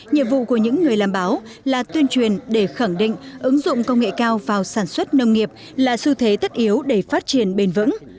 nhiệm vụ của những người làm báo là tuyên truyền để khẳng định ứng dụng công nghệ cao vào sản xuất nông nghiệp là xu thế tất yếu để phát triển bền vững